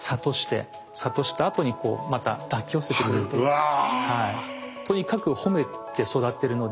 うわ！